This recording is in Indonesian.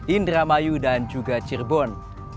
indramayu dan juga cirebon